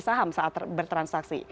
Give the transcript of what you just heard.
saham saat bertransaksi